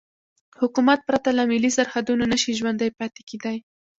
حکومت پرته له ملي سرحدونو نشي ژوندی پاتې کېدای.